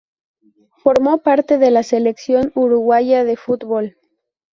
Formó parte de la selección uruguaya de fútbol.